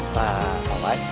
và tốt hơn